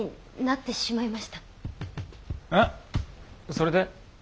それで？